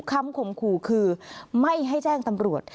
ข่มขู่คือไม่ให้แจ้งตำรวจ